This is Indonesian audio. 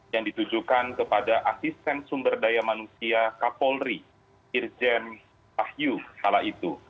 yang ditujukan kepada asisten sumber daya manusia kapolri irjen wahyu kala itu